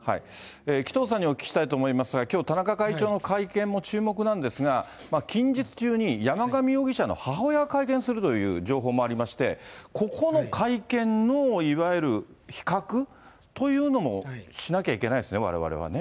紀藤さんにお聞きしたいと思いますが、きょう、田中会長の会見も注目なんですが、近日中に山上容疑者の母親が会見するという情報もありまして、ここの会見のいわゆる比較というのもしなきゃいけないですね、わ